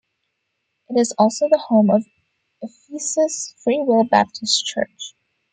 It is also the home of Ephesus Free Will Baptist Church.